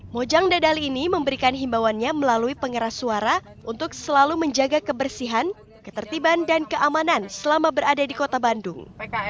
mojang dadali ini memberikan himbawannya melalui pengeras suara untuk selalu menjaga kebersihan ketertiban dan keamanan selama berada di kota bandung